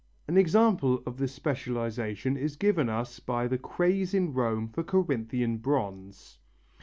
An example of this specialization is given us by the craze in Rome for Corinthian bronze.